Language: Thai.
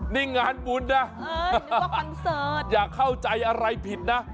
นี่งานบุญนะอยากเข้าใจอะไรผิดนะ